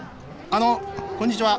あのこんにちは。